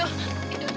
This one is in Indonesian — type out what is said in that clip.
tolong dengerin aku